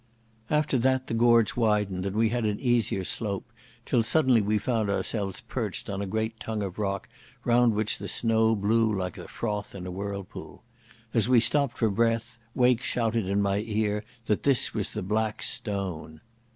After that the gorge widened and we had an easier slope, till suddenly we found ourselves perched on a great tongue of rock round which the snow blew like the froth in a whirlpool. As we stopped for breath, Wake shouted in my ear that this was the Black Stone.